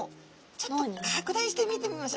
ちょっと拡大して見てみましょう。